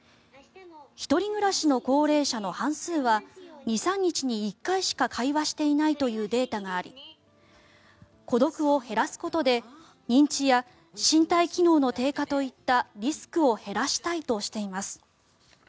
１人暮らしの高齢者の半数は２３日に１回しか会話していないというデータがあり孤独を減らすことで認知や身体機能の低下といったリスクを減らしたいとしています。